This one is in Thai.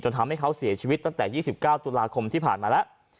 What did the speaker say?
ทำให้เขาเสียชีวิตตั้งแต่๒๙ตุลาคมที่ผ่านมาแล้ว